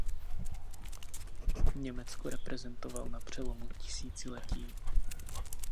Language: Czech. Německo reprezentoval na přelomu tisíciletí.